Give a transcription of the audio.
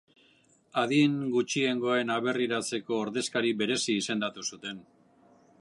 Adin gutxiengoen aberriratzeko ordezkari berezi izendatu zuten.